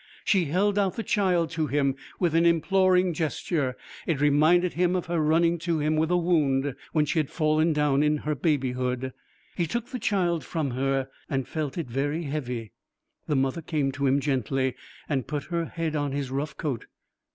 She held out the child to him with an imploring gesture: it reminded him of her running to him with a wound when she had fallen down in her babyhood. He took the child from her and felt it very heavy. The mother came to him gently and put her head on his rough coat.